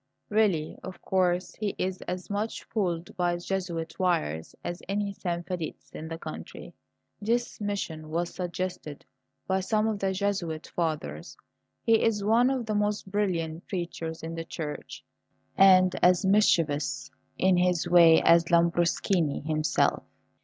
Really, of course, he is as much pulled by Jesuit wires as any Sanfedist in the country. This mission was suggested by some of the Jesuit fathers. He is one of the most brilliant preachers in the Church, and as mischievous in his way as Lambruschini himself.